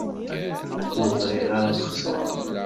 Ur bɣiɣ ara ad xeṣreɣ.